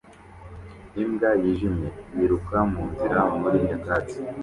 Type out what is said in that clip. Imbwa yijimye yiruka munzira muri nyakatsi